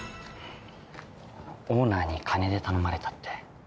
オーナーに金で頼まれたって。